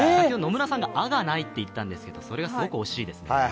さんが「あ」がないと言ったんですけど、それがすごく惜しいですね。